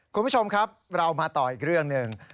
คุณผู้ชมครับเรามาต่ออีกเรื่องหนึ่ง